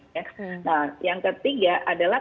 nah yang ketiga adalah